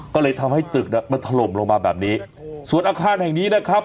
ก็เลยทำให้ตึกน่ะมันถล่มลงมาแบบนี้ส่วนอาคารแห่งนี้นะครับ